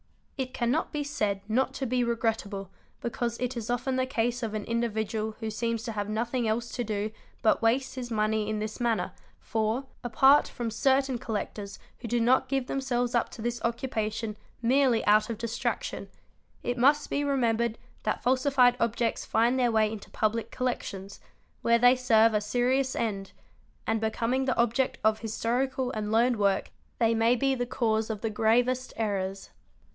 It cannot be said not to be regrettable because it is often the case of an individual who seems to have nothing else to do but waste his money in this manner, for, apart from certain collectors who do not give themselves up to this occu pation merely out of distraction, it must be remembered that falsified objects find their way into public collections, where they serve a serious end, and becoming the object of historical and learned work they may be the cause of the gravest errors.